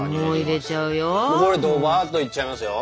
これどばっといっちゃいますよ。